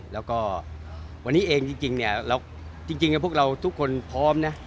แล้วก็วันนี้เองจริงเนี่ยจริงพวกเราทุกคนพร้อมนะ